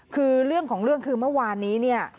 คือเรื่องของเรื่องคือเมื่อวานนี้เนี่ย